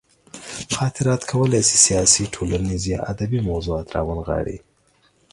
خاطرات کولی شي سیاسي، ټولنیز یا ادبي موضوعات راونغاړي.